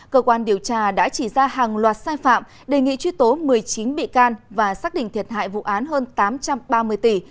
cơ quan điều tra đã chỉ ra hàng loạt sai phạm đề nghị truy tố một mươi chín bị can và xác định thiệt hại vụ án hơn tám trăm ba mươi tỷ